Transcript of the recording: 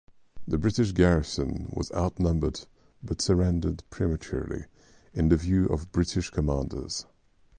The British garrison was outnumbered but surrendered prematurely, in the view of British commanders.